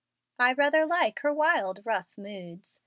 "I rather like her wild, rough moods.